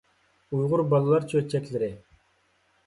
ئۇيغۇر بالىلار چۆچەكلىرى